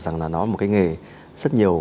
rằng là nó là một cái nghề rất nhiều